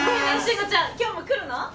今日も来るの？